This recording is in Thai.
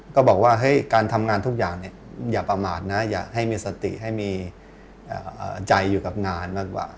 การทำงานทุกอย่างอย่าประหมาตอย่าให้มีสติให้มีใจอยู่กับงาน